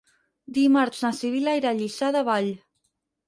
Dimarts na Sibil·la irà a Lliçà de Vall.